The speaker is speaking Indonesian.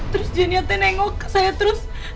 terus jinnya teh nengok ke saya terus